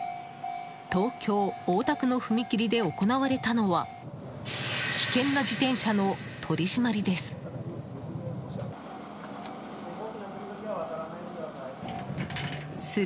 東京・大田区の踏切で行われたのは危険な自転車の取り締まりです。